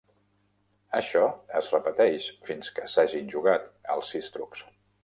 Això es repeteix fins que s'hagin jugat els sis trucs.